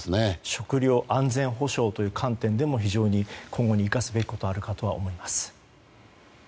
食糧安全保障という観点でも今後に生かすべきことがあるかと思います。